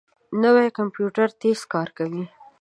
نوی کمپیوټر تېز کار کوي